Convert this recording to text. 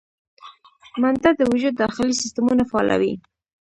منډه د وجود داخلي سیستمونه فعالوي